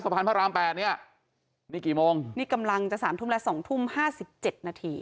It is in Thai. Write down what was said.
พระราม๘เนี่ยนี่กี่โมงนี่กำลังจะสามทุ่มและสองทุ่มห้าสิบเจ็ดนาที